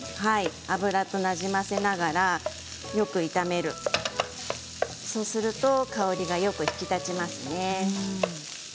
油となじませながらよく炒めるそうすると香りがよく引き立ちますね。